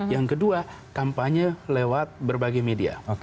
yang kedua kampanye lewat berbagai media